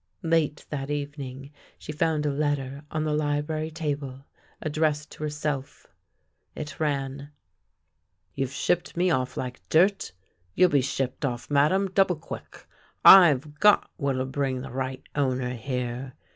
Late that evening she found a letter on the library table addressed to herself. It ran: " You've shipped me off like dirt. You'll be shipped off, Madame, double quick. I've got what'll bring the right owner here.